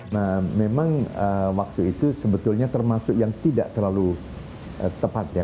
nah memang waktu itu sebetulnya termasuk yang tidak terlalu tepat ya